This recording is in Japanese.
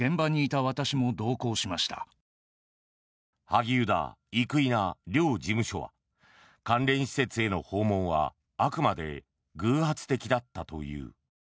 萩生田・生稲両事務所は関連施設への訪問はあくまで偶発的だったという。